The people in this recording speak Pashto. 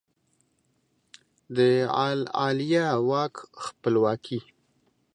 د عالیه واک خپلواکي